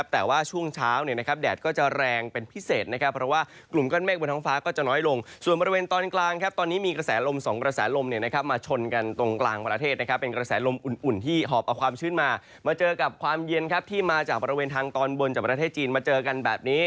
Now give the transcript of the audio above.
แต่ว่าช่วงเช้าแดดก็จะแรงเป็นพิเศษนะครับเพราะว่ากลุ่มก้อนเมฆบนท้องฟ้าก็จะน้อยลงส่วนบริเวณตอนกลางครับตอนนี้มีกระแสลม๒กระแสลมมาชนกันตรงกลางประเทศนะครับเป็นกระแสลมอุ่นที่หอบเอาความชื้นมามาเจอกับความเย็นครับที่มาจากบริเวณทางตอนบนจากประเทศจีนมาเจอกันแบบนี้